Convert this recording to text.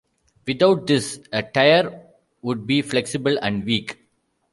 Without this, a tire would be flexible and weak.